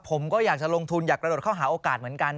ผมก็อยากจะลงทุนอยากกระโดดเข้าหาโอกาสเหมือนกัน